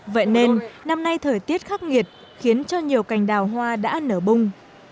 vậy nên năm nay thời tiết khắc nghiệt khiến cho nhiều cành đào hoa đã nở bung